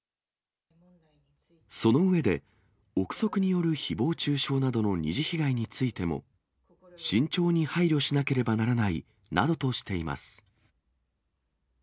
その上で、臆測によるひぼう中傷などの二次被害についても、慎重に配慮しなければならないなどとしています。